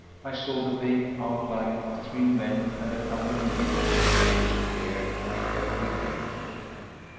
I saw the vague outline of three men and a couple of mules which appeared to be heavily laden.